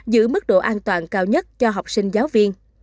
giữ mức độ an toàn cao nhất cho học sinh giáo viên